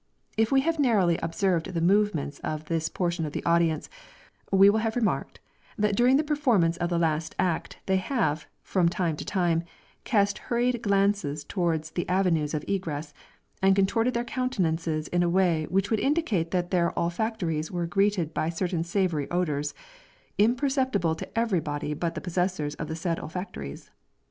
If we have narrowly observed the movements of this portion of the audience, we will have remarked, that during the performance of the last act they have, from time to time, cast hurried glances towards the avenues of egress, and contorted their countenances in a way which would indicate that their olfactories were greeted by certain savory odours, imperceptible to every body but the possessors of the said olfactories.